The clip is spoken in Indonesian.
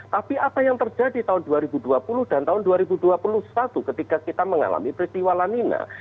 tapi apa yang terjadi tahun dua ribu dua puluh dan tahun dua ribu dua puluh satu ketika kita mengalami peristiwa lamina